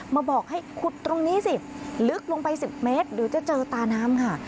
บอกให้ขุดตรงนี้สิลึกลงไป๑๐เมตรเดี๋ยวจะเจอตาน้ำค่ะ